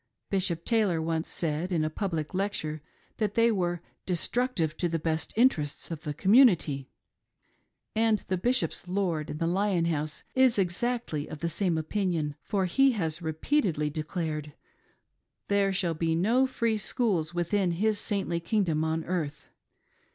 Bishop Taylor once said in a public lecture that they were " destructive to the best interests of the community;" — and the Bishop's " lord " in the Lion House is exactly of the same opinion, for he has repeatedly declared that ''there shall be no •free schools' within his Saintly 'Kingdom' on earth."